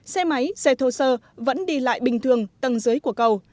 xe máy xe thô sơ vẫn đi lại bình thường tầng dưới của cầu